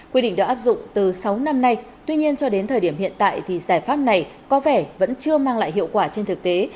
quy định được áp dụng từ sáu năm nay tuy nhiên cho đến thời điểm hiện tại thì giải pháp này có vẻ vẫn chưa mang lại hiệu quả trên thực tế